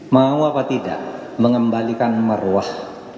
mau apa tidak mengembalikan meruah